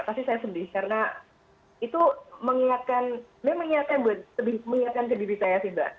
pasti saya sedih karena itu mengingatkan memang mengingatkan ke diri saya sih mbak